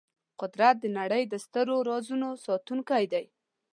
قدرت د نړۍ د سترو رازونو ساتونکی دی.